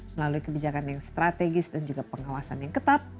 melalui kebijakan yang strategis dan juga pengawasan yang ketat